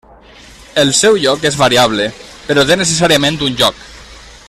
El seu lloc és variable, però té necessàriament un lloc.